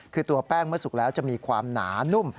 คือตัวแป้งเมื่อสุกแล้วจะมีความหนานุ่ม